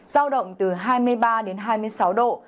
giao động từ hai mươi ba đến hai mươi sáu độ